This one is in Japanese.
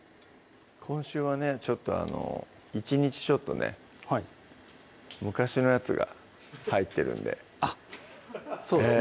今週はねちょっとあの１日ちょっとね昔のやつが入ってるんであっそうですね